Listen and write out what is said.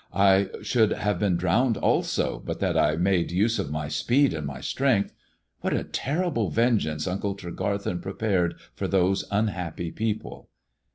I should have been drowned also, but that I made use of my speed and my strength. What a terrible vengeance Uncle Tregarthen prepared for those unhappy people."